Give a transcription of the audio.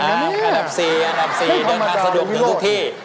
อันดับ๔อันดับ๔ด้วยความสะดวกถึงทุกที่